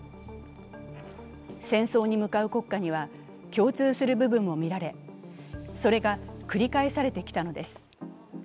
戦争に向かう国家には共通する部分もみられ、それが繰り返されてきたのです。